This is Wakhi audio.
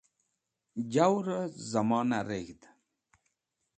Jawrẽ zẽmona reg̃hdẽ